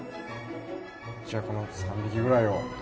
じゃあこの３匹ぐらいを。